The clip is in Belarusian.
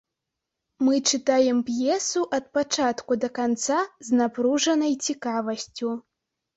Мы чытаем п'есу ад пачатку да канца з напружанай цікавасцю.